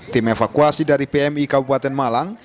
tim evakuasi dari pmi kabupaten malang